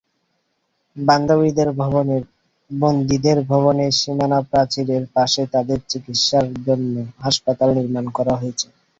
বন্দীদের ভবনের সীমানাপ্রাচীরের পাশে তাঁদের চিকিৎসার জন্য হাসপাতাল নির্মাণ করা হয়েছে।